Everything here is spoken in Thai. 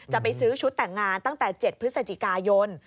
จะไปซื้อชุดแต่งงานตั้งแต่๗พฤศจิกายน